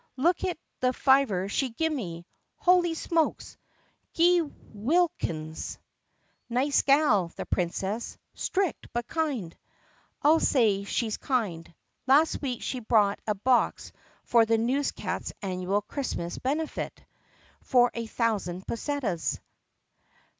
Lookit the fiver she gimme." "Holy smokes!" "Geewhillikens!" THE PUSSYCAT PRINCESS 81 "Nice gal, the Princess. Strict but kind." "I 'll say she 's kind. Last week she bought a box for the Newscats' Annual Christmas Benefit for a thousand pussetas."